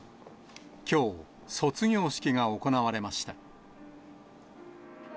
きょう、卒業式が行われました。